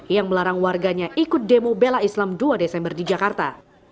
yang melarang warganya ikut demo bela islam dua desember di jakarta